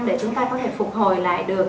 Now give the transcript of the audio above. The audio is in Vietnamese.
để chúng ta có thể phục hồi lại được